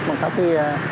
một cách thì